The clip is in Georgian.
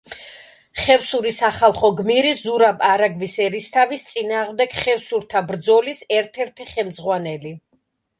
ხევსური სახალხო გმირი, ზურაბ არაგვის ერისთავის წინააღმდეგ ხევსურთა ბრძოლის ერთ-ერთი ხელმძღვანელი.